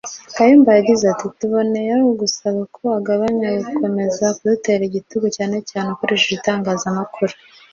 Kayumba yagize ati “ Tuboneyeho kugusaba ko wagabanya gukomeza kudutera igitutu cyane cyane ukoresheje itangazamakuru